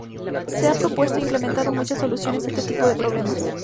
Se han propuesto e implementado muchas soluciones a este tipo de problemas.